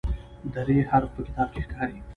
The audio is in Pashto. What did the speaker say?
د "ر" حرف په کتاب کې ښکاري.